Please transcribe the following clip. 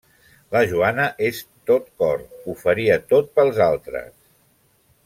La Joana és tot cor: ho faria tot pels altres.